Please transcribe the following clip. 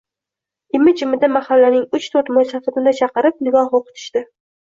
Imi-jimida mahallaning uch-to`rt mo`ysafidini chaqirib, nikoh o`qitishdi